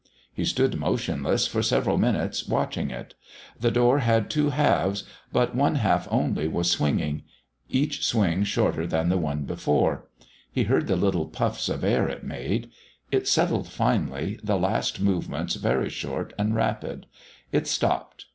He stood motionless for several minutes, watching it; the door had two halves, but one half only was swinging, each swing shorter than the one before; he heard the little puffs of air it made; it settled finally, the last movements very short and rapid; it stopped.